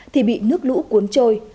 thì bị nước lũ cuốn trôi